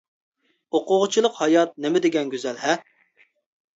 ئوقۇغۇچىلىق ھايات نېمە دېگەن گۈزەل ھە!